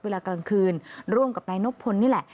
เวลากลางคืนร่วมกับนายนบพลนี่แหละ